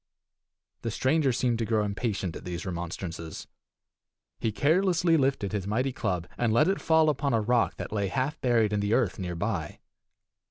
The stranger seemed to grow impatient at these remonstrances. He carelessly lifted his mighty club, and let it fall upon a rock that lay half buried in the earth near by.